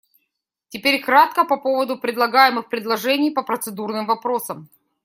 Теперь кратко по поводу предлагаемых предложений по процедурным вопросам.